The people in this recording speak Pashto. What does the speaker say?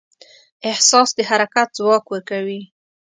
احساس د حرکت ځواک ورکوي.